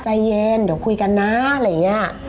ใจเย็นเดี๋ยวคุยกันนะอะไรอย่างนี้